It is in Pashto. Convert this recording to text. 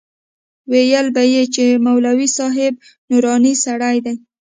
ويل به يې چې مولوي صاحب نوراني سړى دى.